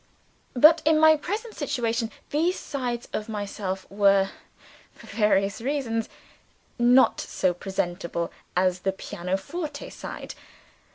But in my present situation, these sides of myself were, for various reasons, not so presentable as the pianoforte side.